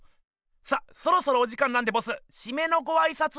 さあそろそろお時間なんでボスシメのごあいさつを。